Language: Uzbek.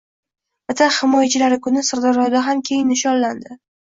Vatan himoyachilari kuni Sirdaryoda ham keng nishonlandi